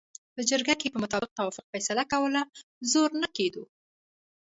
په جرګه کې به مطلق توافق فیصله کوله، زور نه کېدلو.